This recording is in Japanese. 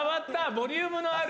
ボリュームある。